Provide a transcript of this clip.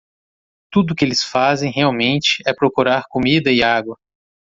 Tudo o que eles fazem? realmente? é procurar comida e água.